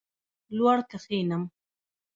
لوړ کښېنم.